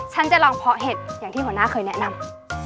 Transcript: ฉันจะลองเพาะเห็ดอย่างที่หัวหน้าเคยแนะนำ